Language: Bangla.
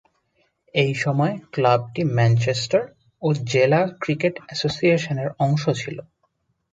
ঐ সময়ে ক্লাবটি ম্যানচেস্টার ও জেলা ক্রিকেট অ্যাসোসিয়েশনের অংশ ছিল।